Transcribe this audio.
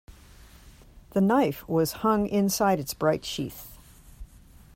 The knife was hung inside its bright sheath.